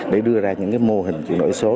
để đưa ra những mô hình chuyển đổi số